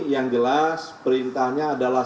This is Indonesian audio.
yang jelas perintahnya adalah